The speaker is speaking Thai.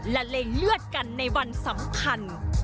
และเล็งเลือดกันในวันสำคัญ